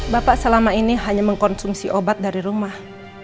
bapak selama ini hanya mengkonsumsi obat dari rumah